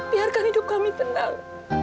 biarkan hidup kami tenang